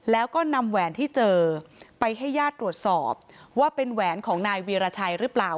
แล้วก็นำแหวนที่เจอไปให้ญาติตรวจสอบว่าเป็นแหวนของนายวีรชัยหรือเปล่า